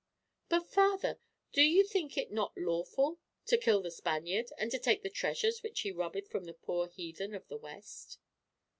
"But, Father, do you think it not lawful to kill the Spaniard, and to take the treasures which he robbeth from the poor heathen of the West?"